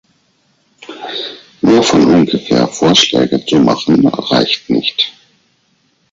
Nur von ungefähr Vorschläge zu machen, reicht nicht.